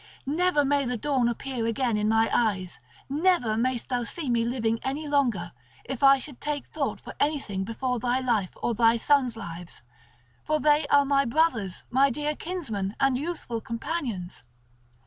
Never may the dawn appear again to my eyes, never mayst thou see me living any longer, if I should take thought for anything before thy life or thy sons' lives, for they are my brothers, my dear kinsmen and youthful companions.